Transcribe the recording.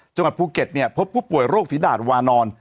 จังหวัดภูเก็ตพบผู้ป่วยโรคฝีดาดวานอน